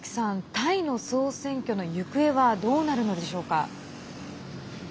タイの総選挙の行方はどうなるのでしょうか。